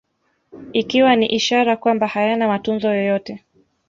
Ikiwa ni ishara kwamba hayana matunzo yoyote